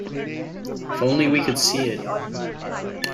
If only we could see it.